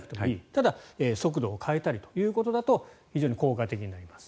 ただ速度を変えたりということだと非常に効果的になります。